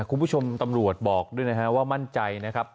คุณผู้ชมตำรวจบอกด้วยนะฮะว่ามั่นใจนะครับ